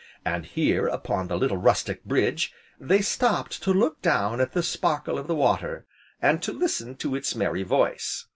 And here, upon the little rustic bridge, they stopped to look down at the sparkle of the water, and to listen to its merry voice.